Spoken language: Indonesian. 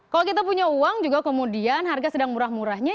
kalau kita punya uang juga kemudian harga sedang murah murahnya